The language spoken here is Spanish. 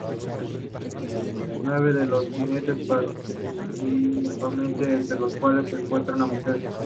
Nueve son los jinetes participantes entre los cuales se encuentra una mujer.